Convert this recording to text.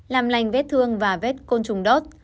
làm lành vết thương và vết côn trùng đốt